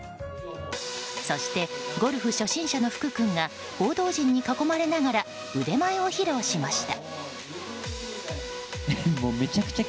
そしてゴルフ初心者の福君が報道陣に囲まれながら腕前を披露しました。